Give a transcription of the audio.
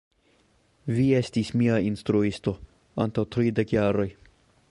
Vi estis mia instruisto, antaŭ tridek jaroj!